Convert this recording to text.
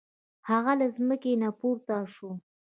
هغه له ځمکې نه پورته شو.